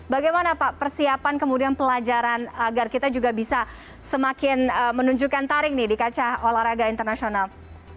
bagaimana pak persiapan kemudian pelajaran agar kita juga bisa semakin menunjukkan tarik nih di kaca olahraga internasional